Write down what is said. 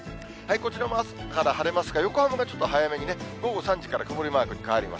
こちらもあすから晴れますが、横浜がちょっと早めに午後３時から曇りマークに変わります。